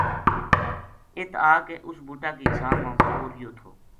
اِت آ کے اس بوٹا کی چھاں ما سو رہیو تھو